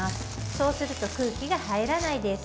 そうすると空気が入らないです。